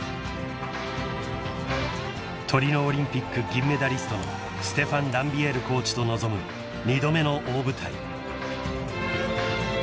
［トリノオリンピック銀メダリストのステファン・ランビエールコーチと臨む二度目の大舞台］